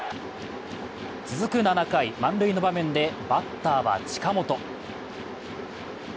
続く７回、満塁の場面でバッターは近本。